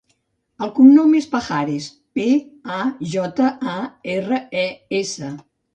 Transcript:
El cognom és Pajares: pe, a, jota, a, erra, e, essa.